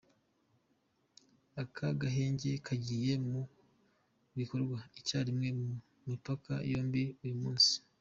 Aka gahenge kagiye mu bikorwa icyarimwe ku mipaka yombi uyu munsi.